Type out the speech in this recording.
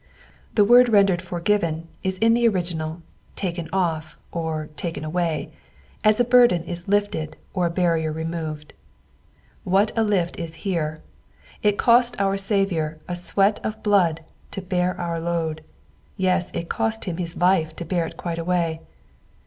The word rendered forgiven is in the original taken off or taken aiMy, as a burden is lifted or a barrier re moved. What a lift is here 1 It cost our Saviour a sweat of blood to bear our load, yea, it cost him his life to bear it quite away.